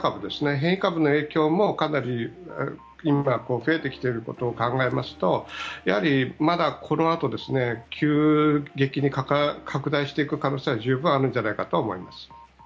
変異株の影響も、かなり増えてきていることを考えますとやはりまだこのあと急激に拡大していく可能性は十分あるんじゃないかとは思います。